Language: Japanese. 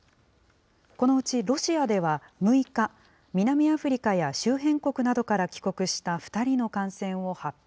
このうちロシアでは６日、南アフリカや周辺国などから帰国した２人の感染を発表。